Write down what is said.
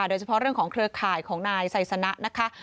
โดยเฉพาะเรื่องของเครือข่ายของนายไซสนะนะคะ